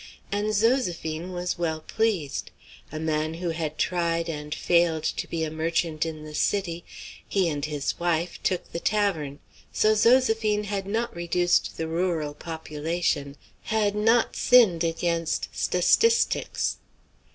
And Zoséphine was well pleased. A man who had tried and failed to be a merchant in the city, he and his wife, took the tavern; so Zoséphine had not reduced the rural population had not sinned against "stastistics."